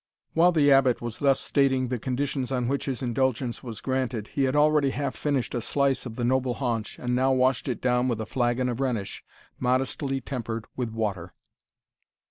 While the Abbot was thus stating the conditions on which his indulgence was granted, he had already half finished a slice of the noble haunch, and now washed it down with a flagon of Rhenish, modestly tempered with water.